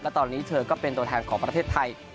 และตอนนี้เธอก็เป็นตัวแทนของประเทศไทย